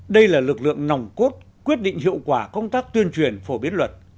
đây là lực lượng nòng cốt quyết định hiệu quả công tác tuyên truyền phổ biến luật